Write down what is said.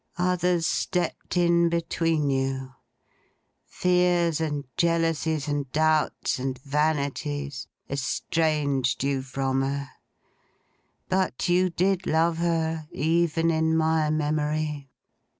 Others stepped in between you; fears, and jealousies, and doubts, and vanities, estranged you from her; but you did love her, even in my memory!"